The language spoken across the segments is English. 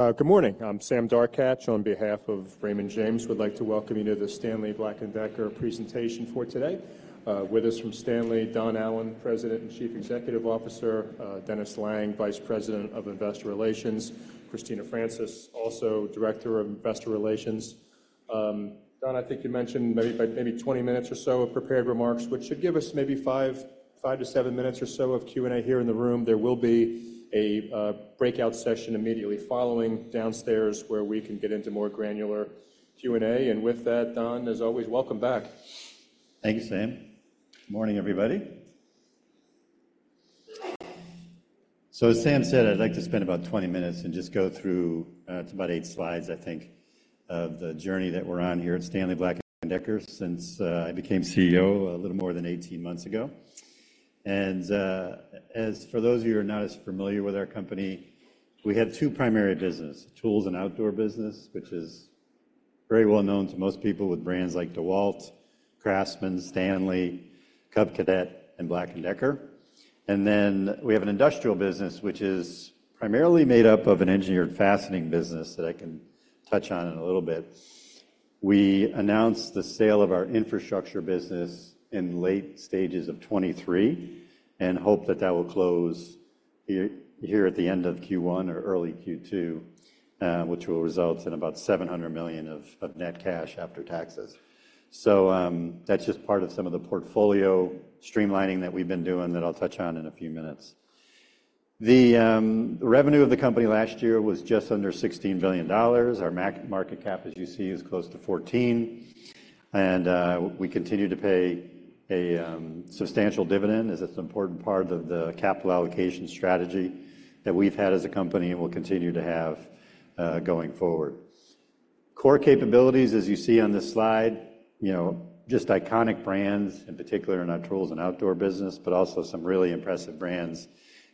Good morning. I'm Sam Darkatsh on behalf of Raymond James. We'd like to welcome you to the Stanley Black & Decker presentation for today. With us from Stanley, Don Allan, President and Chief Executive Officer; Dennis Lange, Vice President of Investor Relations; Christina Francis, also Director of Investor Relations. Don, I think you mentioned maybe 20 minutes or so of prepared remarks, which should give us maybe five to seven minutes or so of Q&A here in the room. There will be a breakout session immediately following downstairs where we can get into more granular Q&A. With that, Don, as always, welcome back. Thank you, Sam. Good morning, everybody. So as Sam said, I'd like to spend about 20 minutes and just go through, it's about 8 slides, I think, of the journey that we're on here at Stanley Black & Decker since I became CEO a little more than 18 months ago. And as for those of you who are not as familiar with our company, we have two primary businesses: Tools and Outdoor business, which is very well known to most people with brands like DEWALT, CRAFTSMAN, STANLEY, Cub Cadet, and BLACK+DECKER. And then we have an Industrial business, which is primarily made up of an Engineered Fastening business that I can touch on in a little bit. We announced the sale of our Infrastructure business in late stages of 2023 and hope that that will close here at the end of Q1 or early Q2, which will result in about $700 million of net cash after taxes. So that's just part of some of the portfolio streamlining that we've been doing that I'll touch on in a few minutes. The revenue of the company last year was just under $16 billion. Our market cap, as you see, is close to $14 billion. We continue to pay a substantial dividend as it's an important part of the capital allocation strategy that we've had as a company and will continue to have going forward. Core capabilities, as you see on this slide, you know, just iconic brands, in particular in our tools and outdoor business, but also some really impressive brands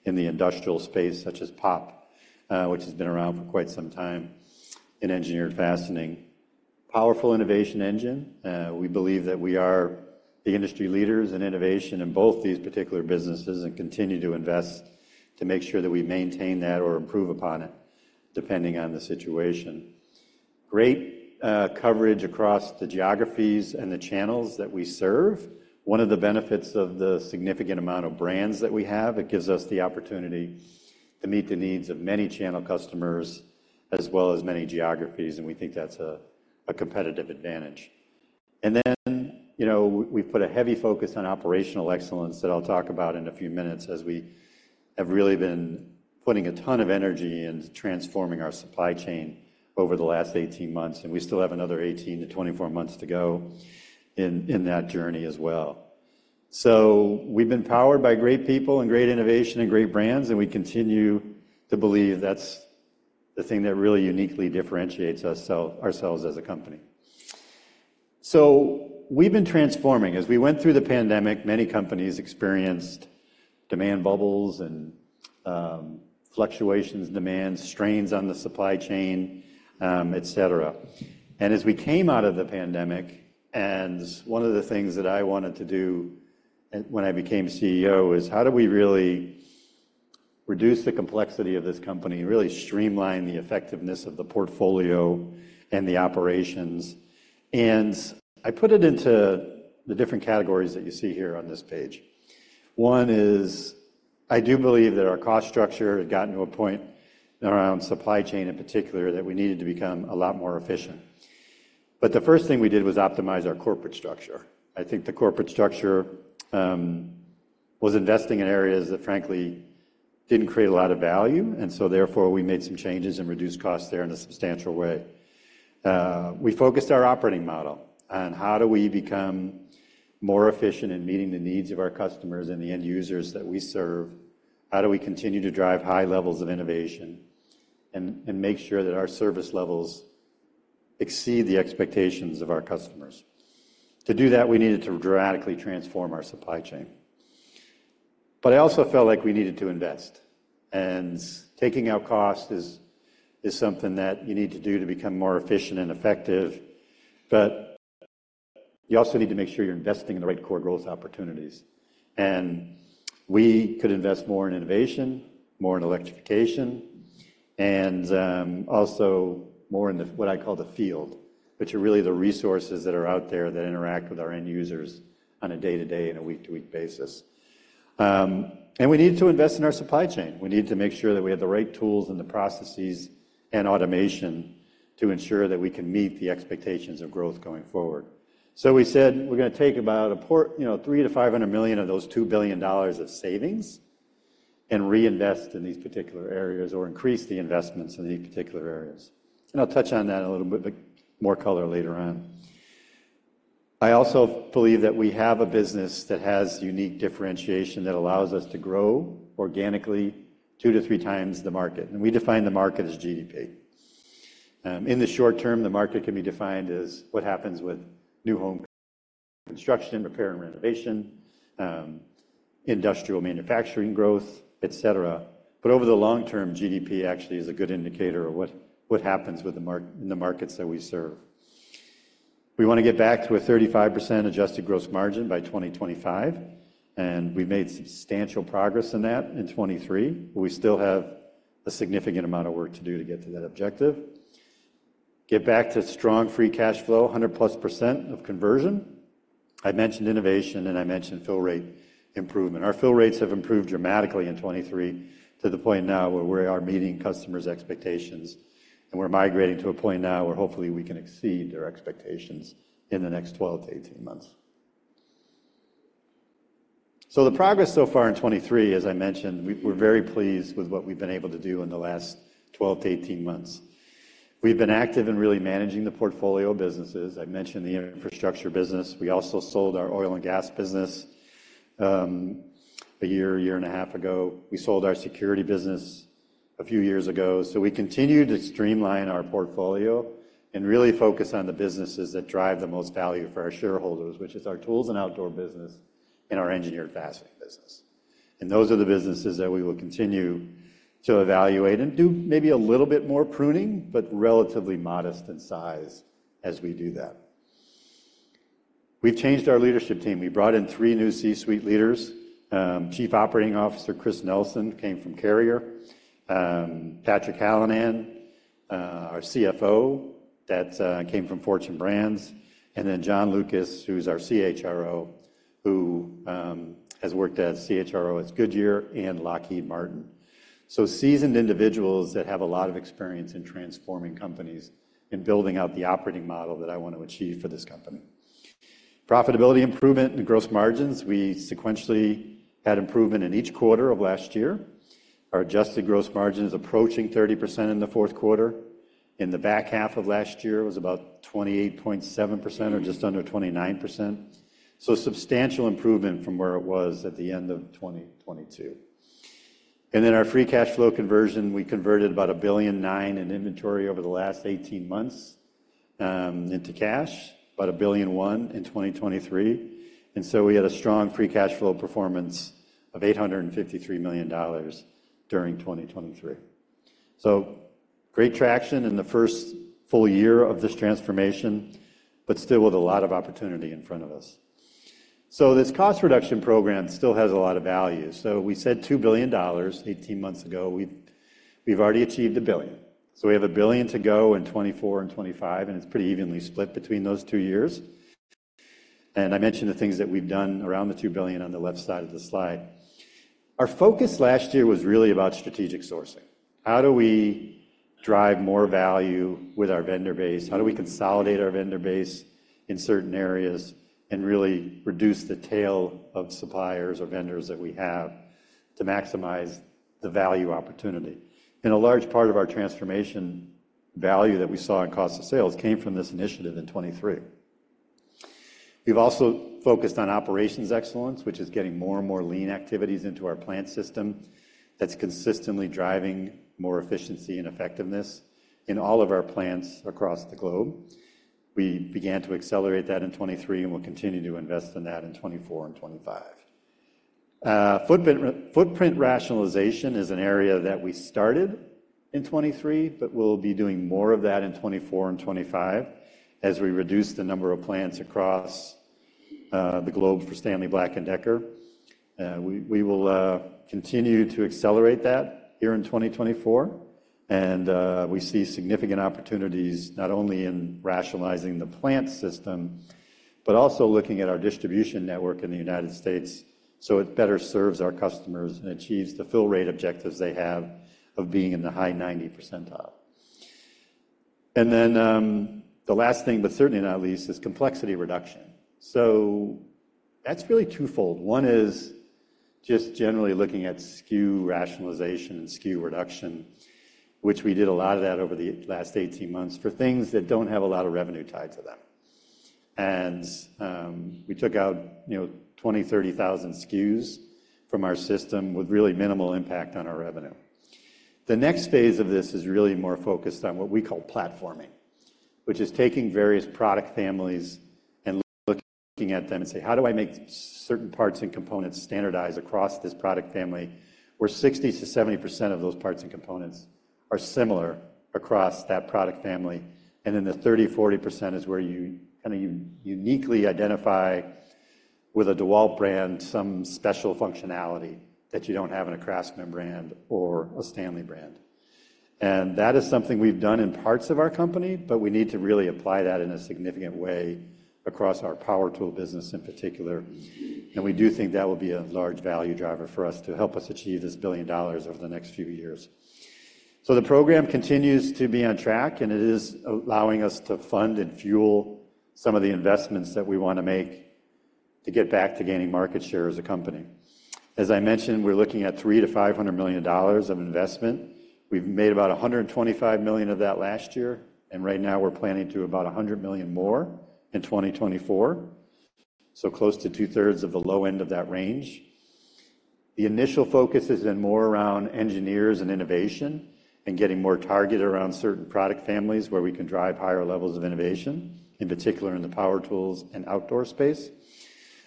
in the industrial space such as POP, which has been around for quite some time in engineered fastening. Powerful innovation engine. We believe that we are the industry leaders in innovation in both these particular businesses and continue to invest to make sure that we maintain that or improve upon it depending on the situation. Great coverage across the geographies and the channels that we serve. One of the benefits of the significant amount of brands that we have, it gives us the opportunity to meet the needs of many channel customers as well as many geographies, and we think that's a competitive advantage. You know, we've put a heavy focus on operational excellence that I'll talk about in a few minutes as we have really been putting a ton of energy into transforming our supply chain over the last 18 months, and we still have another 18 to 24 months to go in that journey as well. We've been powered by great people and great innovation and great brands, and we continue to believe that's the thing that really uniquely differentiates us ourselves as a company. We've been transforming. As we went through the pandemic, many companies experienced demand bubbles and fluctuations, demand strains on the supply chain, et cetera. As we came out of the pandemic, and one of the things that I wanted to do when I became CEO is how do we really reduce the complexity of this company and really streamline the effectiveness of the portfolio and the operations? I put it into the different categories that you see here on this page. One is I do believe that our cost structure had gotten to a point around supply chain in particular that we needed to become a lot more efficient. The first thing we did was optimize our corporate structure. I think the corporate structure was investing in areas that, frankly, didn't create a lot of value, and so therefore we made some changes and reduced costs there in a substantial way. We focused our operating model on how do we become more efficient in meeting the needs of our customers and the end users that we serve, how do we continue to drive high levels of innovation, and make sure that our service levels exceed the expectations of our customers. To do that, we needed to dramatically transform our supply chain. But I also felt like we needed to invest, and taking out cost is something that you need to do to become more efficient and effective, but you also need to make sure you're investing in the right core growth opportunities. And we could invest more in innovation, more in electrification, and also more in the what I call the field, which are really the resources that are out there that interact with our end users on a day-to-day and a week-to-week basis. We needed to invest in our supply chain. We needed to make sure that we had the right tools and the processes and automation to ensure that we can meet the expectations of growth going forward. So we said we're going to take about a portion, you know, $300 million-$500 million of those $2 billion of savings and reinvest in these particular areas, or increase the investments in these particular areas. And I'll touch on that a little bit with more color later on. I also believe that we have a business that has unique differentiation that allows us to grow organically 2-3x the market. And we define the market as GDP. In the short term, the market can be defined as what happens with new home construction and repair and renovation, industrial manufacturing growth, et cetera. But over the long term, GDP actually is a good indicator of what happens with the markets that we serve. We want to get back to a 35% adjusted gross margin by 2025, and we've made substantial progress in that in 2023, but we still have a significant amount of work to do to get to that objective. Get back to strong free cash flow, 100+% conversion. I mentioned innovation, and I mentioned fill rate improvement. Our fill rates have improved dramatically in 2023 to the point now where we are meeting customers' expectations, and we're migrating to a point now where hopefully we can exceed their expectations in the next 12 to 18 months. So the progress so far in 2023, as I mentioned, we're very pleased with what we've been able to do in the last 12 to 18 months. We've been active in really managing the portfolio of businesses. I mentioned the infrastructure business. We also sold our Oil and Gas business a year, year and a half ago. We sold our Security business a few years ago. So we continue to streamline our portfolio and really focus on the businesses that drive the most value for our shareholders, which is our tools and outdoor business and our engineered fastening business. And those are the businesses that we will continue to evaluate and do maybe a little bit more pruning, but relatively modest in size as we do that. We've changed our leadership team. We brought in three new C-suite leaders. Chief Operating Officer Chris Nelson came from Carrier. Patrick Hallinan, our CFO that came from Fortune Brands. And then John Lucas, who's our CHRO, who has worked as CHRO at Goodyear and Lockheed Martin. So seasoned individuals that have a lot of experience in transforming companies and building out the operating model that I want to achieve for this company. Profitability improvement in gross margins. We sequentially had improvement in each quarter of last year. Our adjusted gross margin is approaching 30% in the fourth quarter. In the back half of last year, it was about 28.7% or just under 29%. So substantial improvement from where it was at the end of 2022. And then our free cash flow conversion. We converted about $1.9 billion in inventory over the last 18 months into cash, about $1.1 billion in 2023. And so we had a strong free cash flow performance of $853 million during 2023. So great traction in the first full year of this transformation, but still with a lot of opportunity in front of us. So this cost reduction program still has a lot of value. So we said $2 billion eighteen months ago. We've already achieved $1 billion. So we have $1 billion to go in 2024 and 2025, and it's pretty evenly split between those two years. And I mentioned the things that we've done around the $2 billion on the left side of the slide. Our focus last year was really about strategic sourcing. How do we drive more value with our vendor base? How do we consolidate our vendor base in certain areas and really reduce the tail of suppliers or vendors that we have to maximize the value opportunity? And a large part of our transformation value that we saw in cost of sales came from this initiative in 2023. We've also focused on operations excellence, which is getting more and more lean activities into our plant system that's consistently driving more efficiency and effectiveness in all of our plants across the globe. We began to accelerate that in 2023 and will continue to invest in that in 2024 and 2025. Footprint rationalization is an area that we started in 2023, but we'll be doing more of that in 2024 and 2025 as we reduce the number of plants across the globe for Stanley Black & Decker. We will continue to accelerate that here in 2024, and we see significant opportunities not only in rationalizing the plant system, but also looking at our distribution network in the United States so it better serves our customers and achieves the fill rate objectives they have of being in the high 90 percentile. And then the last thing, but certainly not least, is complexity reduction. So that's really twofold. One is just generally looking at SKU rationalization and SKU reduction, which we did a lot of that over the last 18 months for things that don't have a lot of revenue tied to them. And we took out, you know, 20,000, 30,000 SKUs from our system with really minimal impact on our revenue. The next phase of this is really more focused on what we call platforming, which is taking various product families and looking at them and say, "How do I make certain parts and components standardized across this product family where 60%-70% of those parts and components are similar across that product family?" And then the 30%-40% is where you kind of uniquely identify with a DEWALT brand some special functionality that you don't have in a CRAFTSMAN brand or a STANLEY brand. And that is something we've done in parts of our company, but we need to really apply that in a significant way across our power tool business in particular. And we do think that will be a large value driver for us to help us achieve this $1 billion over the next few years. So the program continues to be on track, and it is allowing us to fund and fuel some of the investments that we want to make to get back to gaining market share as a company. As I mentioned, we're looking at $300 million-$500 million of investment. We've made about $125 million of that last year, and right now we're planning to about $100 million more in 2024, so close to two thirds of the low end of that range. The initial focus has been more around engineers and innovation and getting more targeted around certain product families where we can drive higher levels of innovation, in particular in the power tools and outdoor space.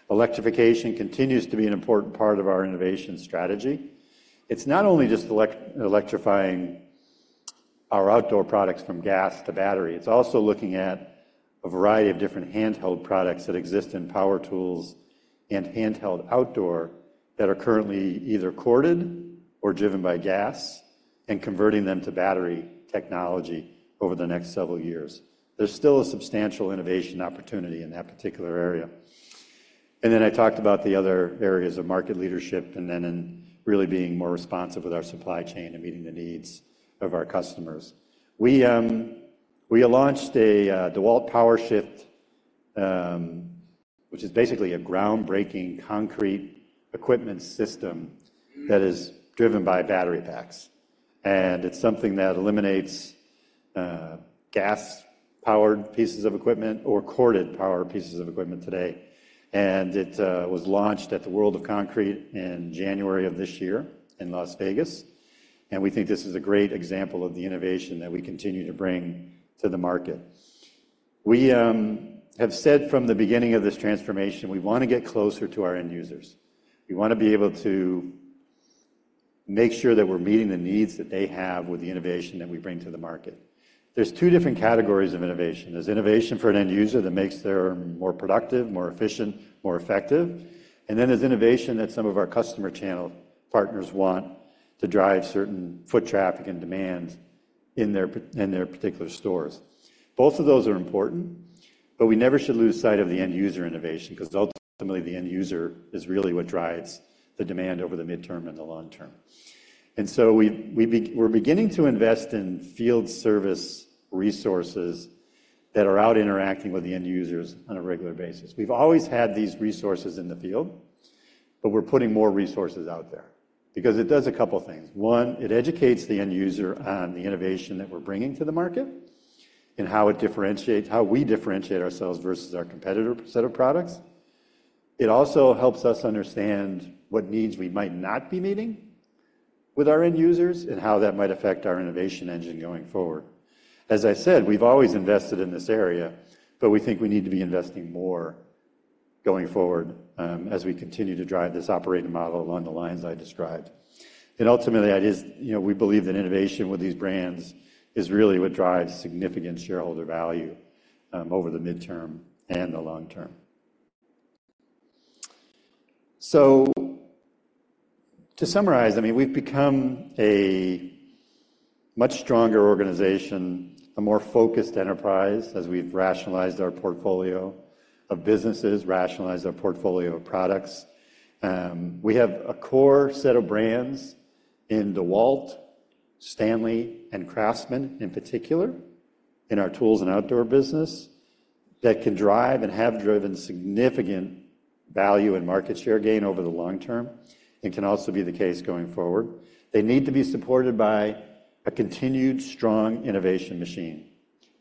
Electrification continues to be an important part of our innovation strategy. It's not only just electrifying our outdoor products from gas to battery. It's also looking at a variety of different handheld products that exist in power tools and handheld outdoor that are currently either corded or driven by gas and converting them to battery technology over the next several years. There's still a substantial innovation opportunity in that particular area. And then I talked about the other areas of market leadership and then in really being more responsive with our supply chain and meeting the needs of our customers. We launched a DEWALT PowerShift, which is basically a groundbreaking concrete equipment system that is driven by battery packs. And it's something that eliminates gas-powered pieces of equipment or corded-powered pieces of equipment today. And it was launched at the World of Concrete in January of this year in Las Vegas, and we think this is a great example of the innovation that we continue to bring to the market. We have said from the beginning of this transformation, we want to get closer to our end users. We want to be able to make sure that we're meeting the needs that they have with the innovation that we bring to the market. There's two different categories of innovation. There's innovation for an end user that makes them more productive, more efficient, more effective, and then there's innovation that some of our customer channel partners want to drive certain foot traffic and demands in their particular stores. Both of those are important, but we never should lose sight of the end user innovation because ultimately the end user is really what drives the demand over the midterm and the long term. And so we're beginning to invest in field service resources that are out interacting with the end users on a regular basis. We've always had these resources in the field, but we're putting more resources out there because it does a couple things. One, it educates the end user on the innovation that we're bringing to the market and how it differentiates how we differentiate ourselves versus our competitor set of products. It also helps us understand what needs we might not be meeting with our end users and how that might affect our innovation engine going forward. As I said, we've always invested in this area, but we think we need to be investing more going forward as we continue to drive this operating model along the lines I described. Ultimately, it is, you know, we believe that innovation with these brands is really what drives significant shareholder value over the midterm and the long term. To summarize, I mean, we've become a much stronger organization, a more focused enterprise as we've rationalized our portfolio of businesses, rationalized our portfolio of products. We have a core set of brands in DEWALT, STANLEY, and CRAFTSMAN in particular in our tools and outdoor business that can drive and have driven significant value and market share gain over the long term and can also be the case going forward. They need to be supported by a continued strong innovation machine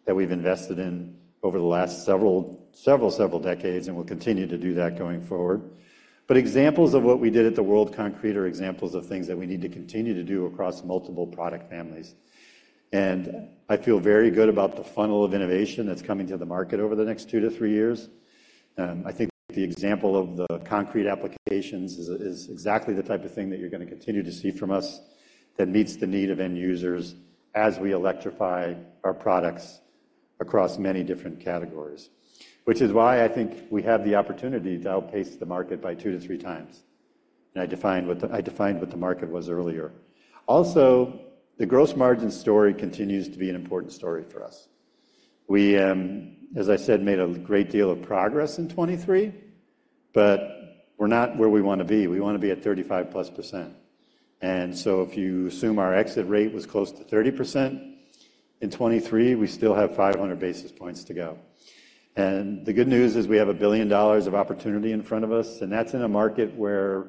that we've invested in over the last several decades and will continue to do that going forward. But examples of what we did at the World of Concrete are examples of things that we need to continue to do across multiple product families. I feel very good about the funnel of innovation that's coming to the market over the next two to three years. I think the example of the concrete applications is exactly the type of thing that you're going to continue to see from us that meets the need of end users as we electrify our products across many different categories, which is why I think we have the opportunity to outpace the market by 2x-3x in how I defined what the market was earlier. Also, the gross margin story continues to be an important story for us. We, as I said, made a great deal of progress in 2023, but we're not where we want to be. We want to be at 35%+. And so if you assume our exit rate was close to 30% in 2023, we still have 500 basis points to go. The good news is we have $1 billion of opportunity in front of us, and that's in a market where,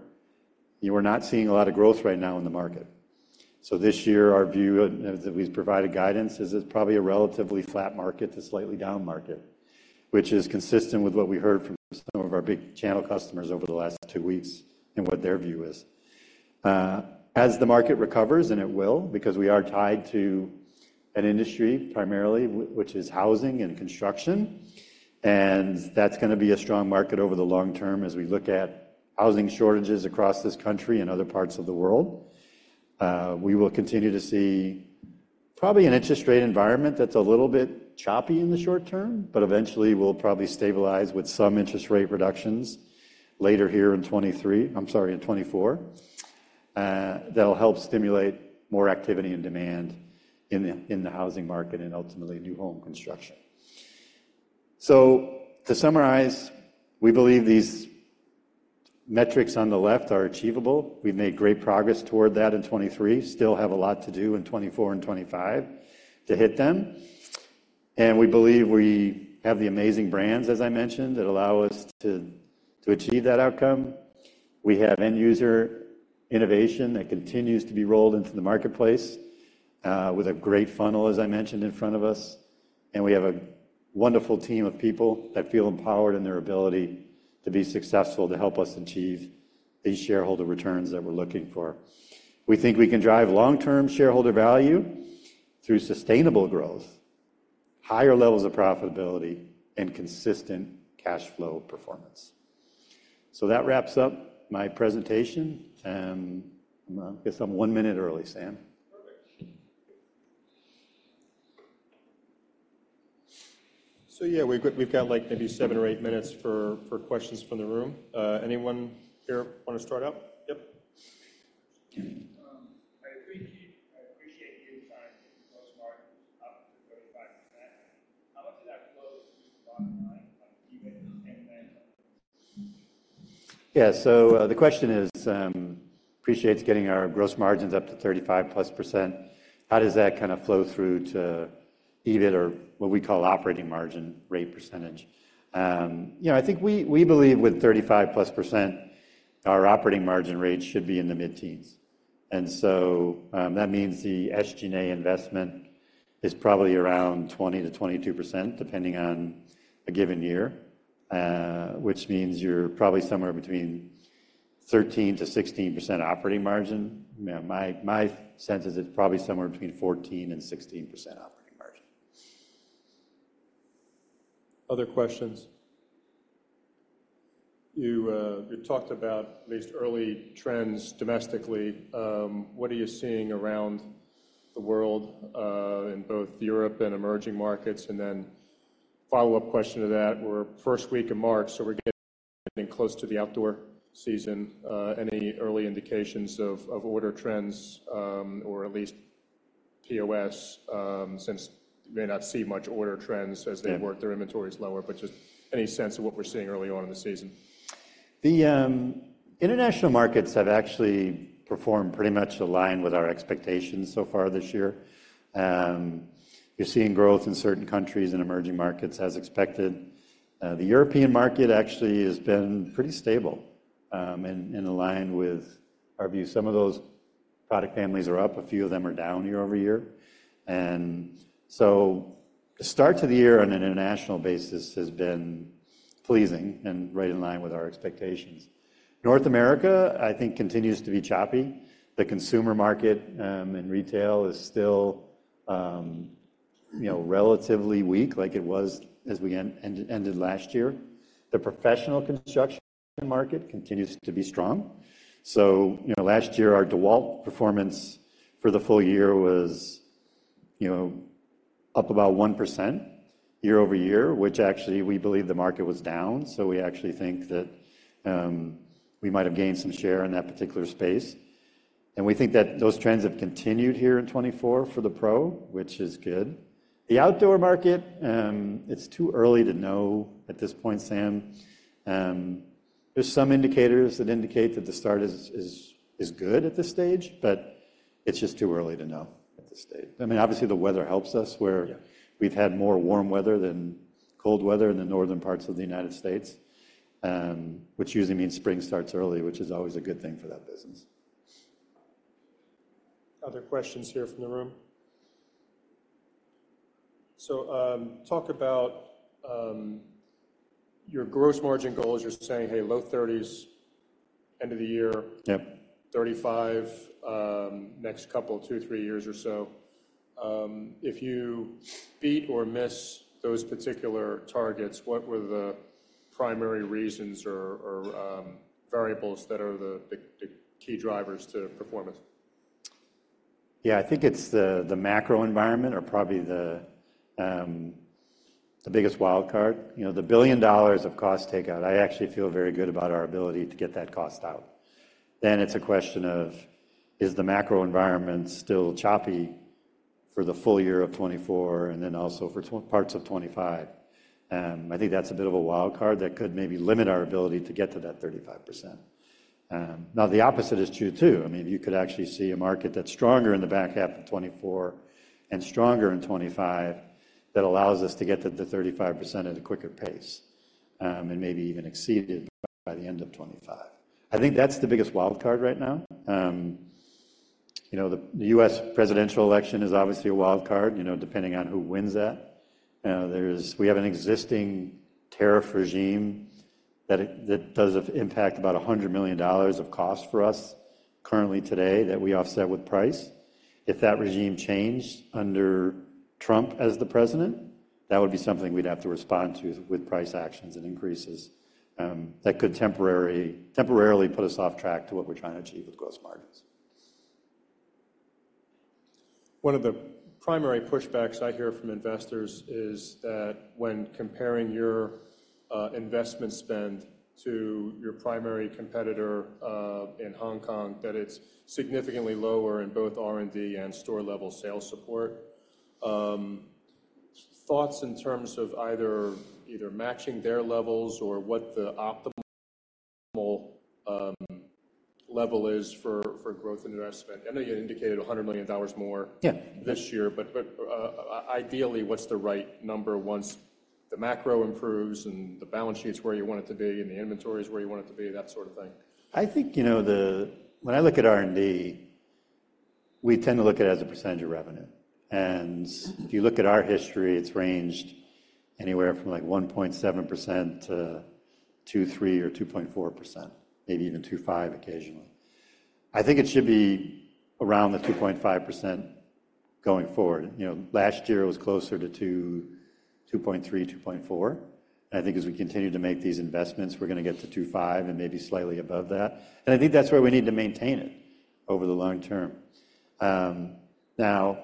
you know, we're not seeing a lot of growth right now in the market. So this year, our view that we've provided guidance is it's probably a relatively flat market to slightly down market, which is consistent with what we heard from some of our big channel customers over the last two weeks and what their view is. As the market recovers, and it will because we are tied to an industry primarily, which is housing and construction, and that's going to be a strong market over the long term as we look at housing shortages across this country and other parts of the world, we will continue to see probably an interest rate environment that's a little bit choppy in the short term, but eventually will probably stabilize with some interest rate reductions later here in 2023. I'm sorry, in 2024. That'll help stimulate more activity and demand in the housing market and ultimately new home construction. So to summarize, we believe these metrics on the left are achievable. We've made great progress toward that in 2023. Still have a lot to do in 2024 and 2025 to hit them. And we believe we have the amazing brands, as I mentioned, that allow us to achieve that outcome. We have end user innovation that continues to be rolled into the marketplace with a great funnel, as I mentioned, in front of us. And we have a wonderful team of people that feel empowered in their ability to be successful to help us achieve these shareholder returns that we're looking for. We think we can drive long-term shareholder value through sustainable growth, higher levels of profitability, and consistent cash flow performance. So that wraps up my presentation. I guess I'm one minute early, Sam. Perfect. So yeah, we've got like maybe seven or eight minutes for questions from the room. Anyone here want to start up? Yep. I appreciate you trying to get gross margins up to 35%. How much of that flows through the bottom line on EBIT and then? Yeah, so the question is, appreciates getting our gross margins up to 35%+. How does that kind of flow through to EBIT or what we call operating margin rate percentage? You know, I think we believe with 35%+, our operating margin rate should be in the mid-teens. And so that means the SG&A investment is probably around 20%-22%, depending on a given year, which means you're probably somewhere between 13%-16% operating margin. My sense is it's probably somewhere between 14% and 16% operating margin. Other questions? You talked about at least early trends domestically. What are you seeing around the world in both Europe and emerging markets? And then follow-up question to that. We're first week of March, so we're getting close to the outdoor season. Any early indications of order trends or at least POS since you may not see much order trends as they work? Their inventory's lower, but just any sense of what we're seeing early on in the season? The international markets have actually performed pretty much aligned with our expectations so far this year. You're seeing growth in certain countries and emerging markets as expected. The European market actually has been pretty stable and aligned with our view. Some of those product families are up. A few of them are down year-over-year. And so the start to the year on an international basis has been pleasing and right in line with our expectations. North America, I think, continues to be choppy. The consumer market in retail is still, you know, relatively weak like it was as we ended last year. The professional construction market continues to be strong. So, you know, last year our DEWALT performance for the full year was, you know, up about 1% year-over-year, which actually we believe the market was down. So we actually think that we might have gained some share in that particular space. And we think that those trends have continued here in 2024 for the pro, which is good. The outdoor market, it's too early to know at this point, Sam. There's some indicators that indicate that the start is good at this stage, but it's just too early to know at this stage. I mean, obviously the weather helps us where we've had more warm weather than cold weather in the northern parts of the United States, which usually means spring starts early, which is always a good thing for that business. Other questions here from the room? So talk about your gross margin goals. You're saying, hey, low thirties end of the year. the next couple, two, three years or so. If you beat or miss those particular targets, what were the primary reasons or variables that are the key drivers to performance? Yeah, I think it's the macro environment are probably the biggest wild card. You know, the $1 billion of cost takeout, I actually feel very good about our ability to get that cost out. Then it's a question of, is the macro environment still choppy for the full year of 2024 and then also for parts of 2025? I think that's a bit of a wild card that could maybe limit our ability to get to that 35%. Now, the opposite is true too. I mean, you could actually see a market that's stronger in the back half of 2024 and stronger in 2025 that allows us to get to the 35% at a quicker pace and maybe even exceed it by the end of 2025. I think that's the biggest wild card right now. You know, the U.S. presidential election is obviously a wild card, you know, depending on who wins that. We have an existing tariff regime that does impact about $100 million of cost for us currently today that we offset with price. If that regime changed under Trump as the president, that would be something we'd have to respond to with price actions and increases that could temporarily put us off track to what we're trying to achieve with gross margins. One of the primary pushbacks I hear from investors is that when comparing your investment spend to your primary competitor in Hong Kong, that it's significantly lower in both R&D and store-level sales support. Thoughts in terms of either matching their levels or what the optimal level is for growth and investment? I know you indicated $100 million more. Yeah. This year, but ideally, what's the right number once the macro improves and the balance sheet's where you want it to be and the inventory's where you want it to be, that sort of thing? I think, you know, when I look at R&D, we tend to look at it as a percentage of revenue. And if you look at our history, it's ranged anywhere from like 1.7%-2.3% or 2.4%, maybe even 2.5% occasionally. I think it should be around the 2.5% going forward. You know, last year it was closer to 2%, 2.3%, 2.4%. And I think as we continue to make these investments, we're going to get to 2.5, and maybe slightly above that. And I think that's where we need to maintain it over the long term. Now,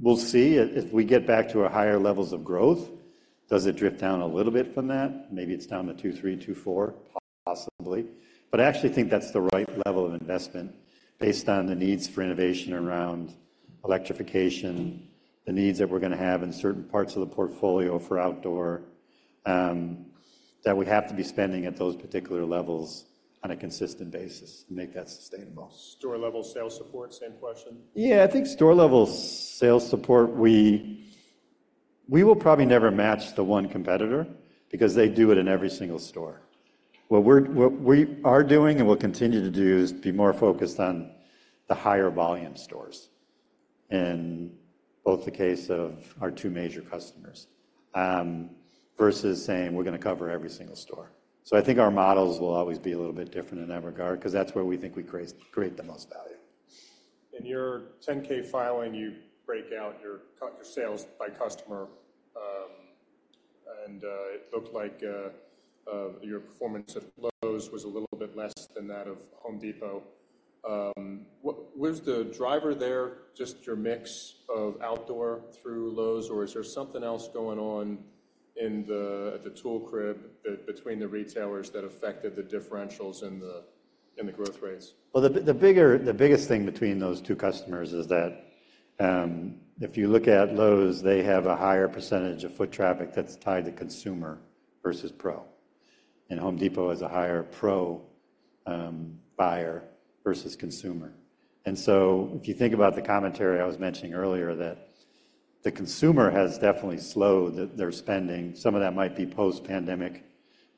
we'll see. If we get back to our higher levels of growth, does it drift down a little bit from that? Maybe it's down to 2.3%, 2.4%, possibly. But I actually think that's the right level of investment based on the needs for innovation around electrification, the needs that we're going to have in certain parts of the portfolio for outdoor that we have to be spending at those particular levels on a consistent basis to make that sustainable. Store-level sales support, same question? Yeah, I think store-level sales support, we will probably never match the one competitor because they do it in every single store. What we are doing and will continue to do is be more focused on the higher volume stores in both the case of our two major customers versus saying, we're going to cover every single store. So I think our models will always be a little bit different in that regard because that's where we think we create the most value. In your 10-K filing, you break out your sales by customer, and it looked like your performance at Lowe's was a little bit less than that of Home Depot. Where's the driver there? Just your mix of outdoor through Lowe's, or is there something else going on in the tool crib between the retailers that affected the differentials in the growth rates? Well, the bigger the biggest thing between those two customers is that if you look at Lowe's, they have a higher percentage of foot traffic that's tied to consumer versus pro. And Home Depot has a higher pro buyer versus consumer. And so if you think about the commentary I was mentioning earlier that the consumer has definitely slowed their spending, some of that might be post-pandemic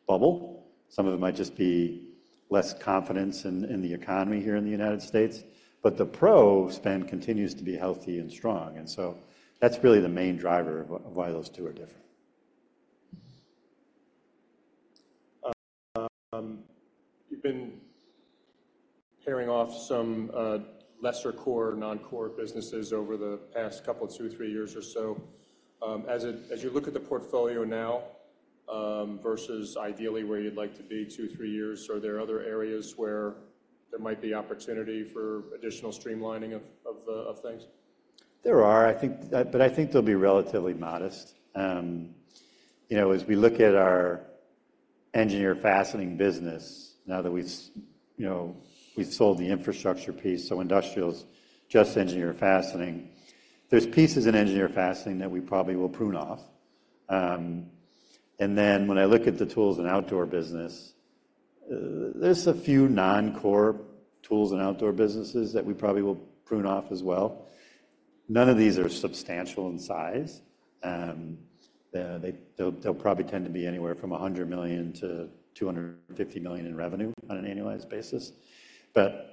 bubble, some of it might just be less confidence in the economy here in the United States, but the pro spend continues to be healthy and strong. And so that's really the main driver of why those two are different. You've been paring off some lesser core, non-core businesses over the past couple, 2, 3 years or so. As you look at the portfolio now versus ideally where you'd like to be 2, 3 years, are there other areas where there might be opportunity for additional streamlining of things? There are. I think they'll be relatively modest. You know, as we look at our Engineered Fastening business, now that we've, you know, we've sold the infrastructure piece, so industrials, just Engineered Fastening, there's pieces in Engineered Fastening that we probably will prune off. And then when I look at the Tools and Outdoor business, there's a few non-core tools and outdoor businesses that we probably will prune off as well. None of these are substantial in size. They'll probably tend to be anywhere from $100 million-$250 million in revenue on an annualized basis. But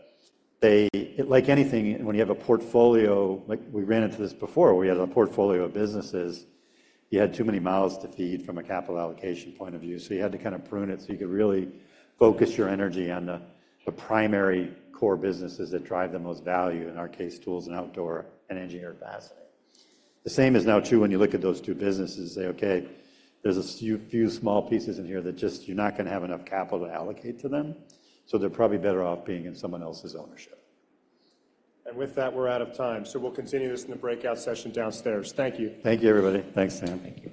they like anything, when you have a portfolio like we ran into this before, where we had a portfolio of businesses, you had too many mouths to feed from a capital allocation point of view, so you had to kind of prune it so you could really focus your energy on the primary core businesses that drive the most value, in our case, Tools and Outdoor and Engineered Fastening. The same is now true when you look at those two businesses and say, okay, there's a few small pieces in here that just you're not going to have enough capital to allocate to them, so they're probably better off being in someone else's ownership. With that, we're out of time. We'll continue this in the breakout session downstairs. Thank you. Thank you, everybody. Thanks, Sam. Thank you.